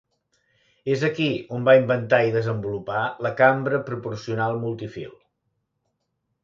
És aquí on va inventar i desenvolupar la cambra proporcional multi-fil.